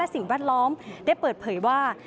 สิ่งแวดล้อมได้เปิดเผยว่า